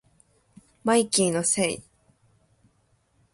マイキーのせい